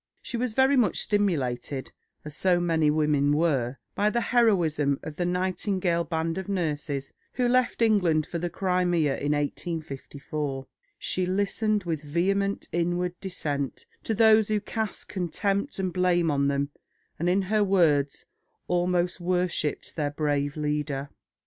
She was very much stimulated, as so many women were, by the heroism of the Nightingale band of nurses who left England for the Crimea in 1854. She listened with vehement inward dissent to those who cast contempt and blame on them, and, in her own words, "almost worshipped" their brave leader.